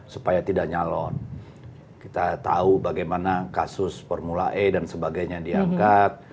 supaya tidak nyalon kita tahu bagaimana kasus formula e dan sebagainya diangkat